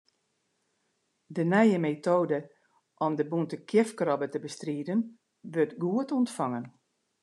De nije metoade om de bûnte kjifkrobbe te bestriden, wurdt goed ûntfongen.